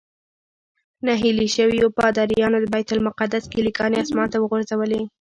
نهیلي شویو پادریانو د بیت المقدس کیلي ګانې اسمان ته وغورځولې.